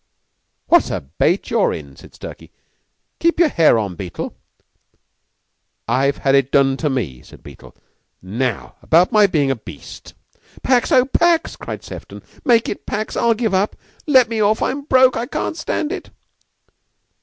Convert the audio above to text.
"What a bait you're in!" said Stalky. "Keep your hair on, Beetle." "I've had it done to me," said Beetle. "Now about my being a beast." "Pax oh, pax!" cried Sefton; "make it pax. I'll give up! Let me off! I'm broke! I can't stand it!"